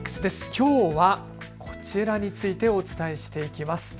きょうは、こちらについてお伝えしていきます。